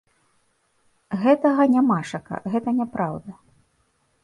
Гэтага нямашака, гэта няпраўда.